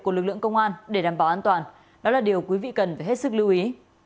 của lực lượng công an để đảm bảo an toàn đó là điều quý vị cần phải hết sức lưu ý